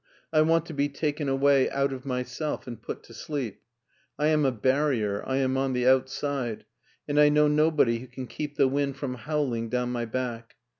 I want to be taken away out of myself and put to sleep. I am a barrier, I am on the outside, and I know nobody who can keep the wind from howling down my back.